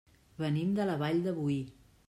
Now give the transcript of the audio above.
Venim de la Vall de Boí.